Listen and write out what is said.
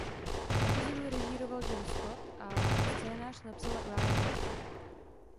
Epizodu režíroval John Scott a scénář napsal Ryan Murphy.